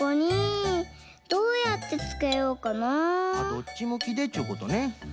どっちむきでっちゅうことね。